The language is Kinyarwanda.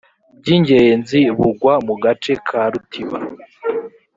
by ingenzi b ugwa mu gace ka rutiba